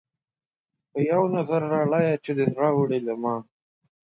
پۀ يو نظر لاليه چې دې زړۀ وړے له ما